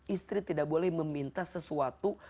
istri tidak boleh meminta sesuatu